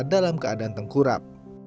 dalam keadaan tengkurap